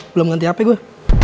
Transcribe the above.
belum nganti hape gue